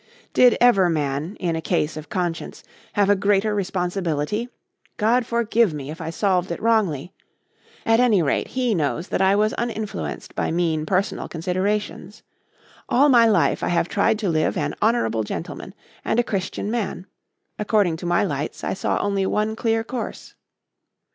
Did ever man, in a case of conscience, have a greater responsibility? God forgive me if I solved it wrongly. At any rate, He knows that I was uninfluenced by mean personal considerations. All my life I have tried to have an honourable gentleman and a Christian man. According to my lights I saw only one clear course.